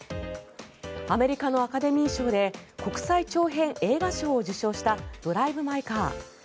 アメリカのアカデミー賞で国際長編映画賞を受賞した「ドライブ・マイ・カー」。